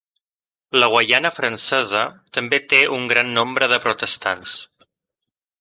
La Guaiana Francesa també té un gran nombre de protestants.